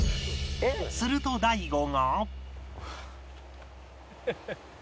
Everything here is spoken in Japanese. すると大悟が